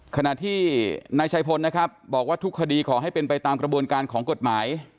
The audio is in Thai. ขณะที่นายชัยพลนะครับบอกว่าทุกคดีขอให้เป็นไปตามกระบวนการของกฎหมาย